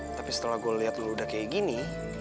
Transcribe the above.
tapi setelah gue liat lu udah kayak gini